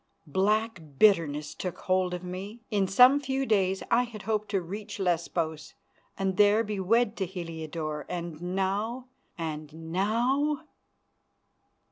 Black bitterness took hold of me. In some few days I had hoped to reach Lesbos, and there be wed to Heliodore. And now! And now!